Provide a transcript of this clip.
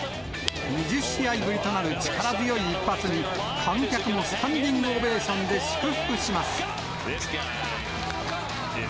２０試合ぶりとなる力強い一発に、観客もスタンディングオベーションで祝福します。